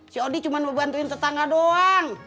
si odi cuma ngebantuin tetangga doang